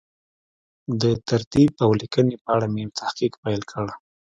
د ترتیب او لیکنې په اړه مې تحقیق پیل کړ.